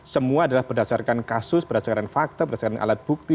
semua adalah berdasarkan kasus berdasarkan fakta berdasarkan alat bukti